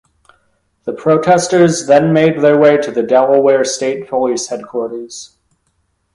The protesters then made their way to the Delaware State Police headquarters.